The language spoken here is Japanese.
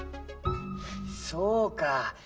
そうか。